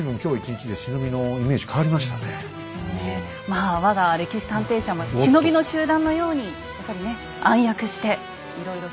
まあ我が歴史探偵社も忍びの集団のようにやっぱりね暗躍していろいろ。